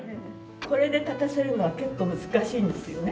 これで立たせるのは結構難しいんですよね。